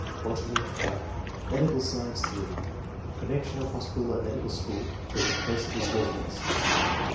Botany. — None. Medical Science. — (3) Connection of hospital and medical school with the place of his resi dence.